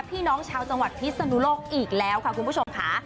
พี่น้องชาวจังหวัดพิศนุโลกอีกแล้วค่ะคุณผู้ชมค่ะ